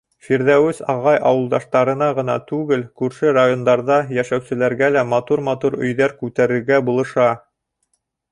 Фирҙәүес ағай ауылдаштарына ғына түгел, күрше райондарҙа йәшәүселәргә лә матур-матур өйҙәр күтәрергә булыша.